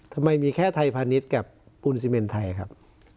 ทำไมมีแค่ไทยพาณิชย์กับปูนซีเมนไทยครับ